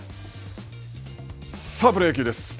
さあ、プロ野球です。